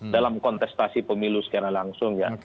dalam kontestasi pemilu secara langsung ya